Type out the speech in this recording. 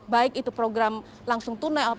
baik itu program langsung tunai